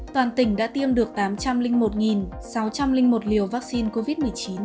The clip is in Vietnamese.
toàn tỉnh đã tiêm được tám trăm linh một sáu trăm linh một liều vaccine covid một mươi chín